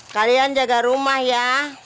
kalian jaga rumah ya